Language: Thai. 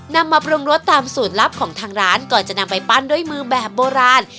นำมาปรุงรสตามสูตรลับของทางร้านก่อนจะนำไปปั้นด้วยมือแบบโบราณ